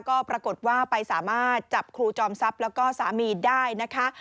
ก็ปรากฏว่าไปสามารถจับครูจอมทรัพย์แล้วก็สามีได้นะคะ